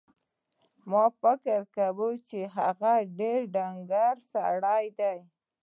ما فکر کاوه چې هغه ډېر ډنګر سړی دی.